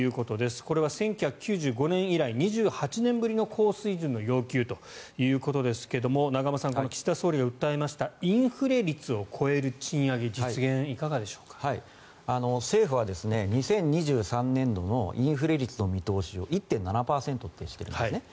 これは１９９５年以来２８年ぶりの高水準の要求ということですが永濱さん、岸田総理が訴えましたインフレ率を超える賃上げ政府は２０２３年度のインフレ率の見通しを１．７％としているんですね。